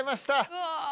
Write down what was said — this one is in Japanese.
うわ。